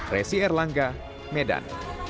resi erlangga medan